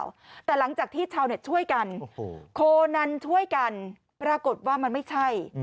และหลังจากที่เฉาเหน็ตช่วยกันโครนันช่วยกันปรากฏว่ามันไม่ใช่